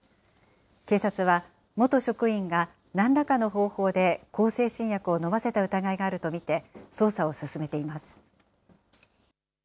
警察は、元職員がなんらかの方法で向精神薬を飲ませた疑いがあると見て、捜査を進めています。